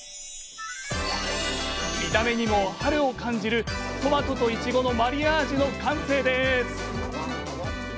見た目にも春を感じる「トマトといちごのマリアージュ」の完成です。